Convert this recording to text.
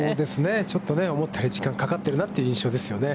ちょっとね、思ったより時間かかってるなという印象ですね。